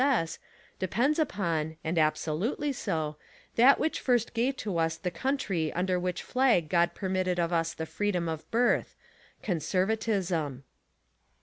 S. S. depends upon, and absolutely so, that which first gave to us the country under which flag God permitted of us the freedom of birth CONSERVATISM.